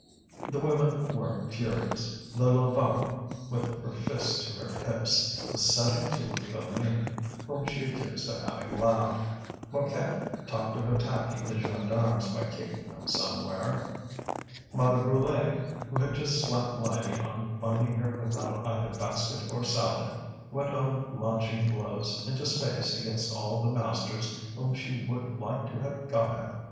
The women were furious. The Levaque, with her fists to her hips, was setting to with Philoméne, whom she accused of having laughed; Mouquette talked of attacking the gendarmes by kicking them somewhere; Mother Brulé, who had just slapped Lydie on finding her without either basket or salad, went on launching blows into space against all the masters whom she would like to have got at.